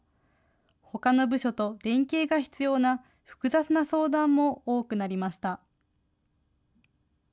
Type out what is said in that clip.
ほかの部署と連携が必要な、複雑な相談も多くなりました。